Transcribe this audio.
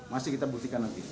masih kita buktikan nanti